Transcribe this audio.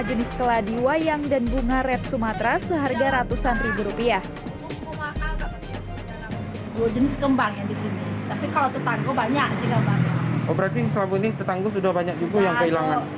jenis keladiwayang dan bunga red sumatera seharga ratusan ribu rupiah